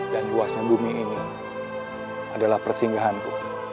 luasnya bumi ini adalah persinggahanku